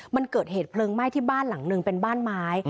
มันเกิดเหตุเพลิงไหม้ที่บ้านหลังหนึ่งเป็นบ้านไม้